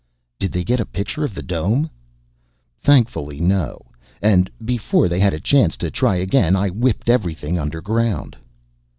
"Did they get a picture of the dome?" "Thankfully, no. And before they had a chance to try again, I whipped everything underground."